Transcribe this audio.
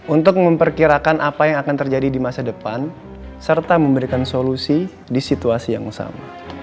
untuk memperkirakan apa yang akan terjadi di masa depan serta memberikan solusi di situasi yang sama